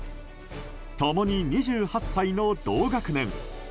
共に２８歳の同学年。